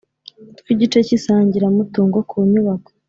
Tw igice cy isangiramutungo ku nyubako